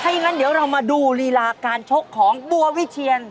อย่างนั้นเดี๋ยวเรามาดูรีลาการชกของบัววิเชียน